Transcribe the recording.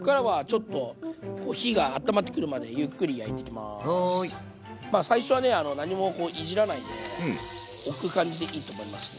まあ最初はね何もいじらないで置く感じでいいと思いますね。